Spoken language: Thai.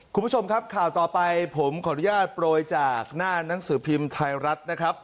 คุณผู้ชมครับข่าวต่อไปผมขออนุญาตโปรยจากหน้านังสือพิมพ์ไทยรัฐนะครับ